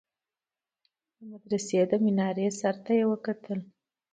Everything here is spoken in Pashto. د مدرسې د مينارې سر ته يې وكتل.